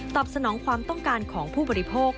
สนองความต้องการของผู้บริโภค